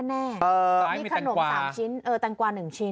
เออมีตังกวามีขนมสามชิ้นเออตังกวาหนึ่งชิ้น